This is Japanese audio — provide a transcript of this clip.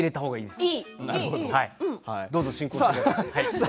じゃ進行してください。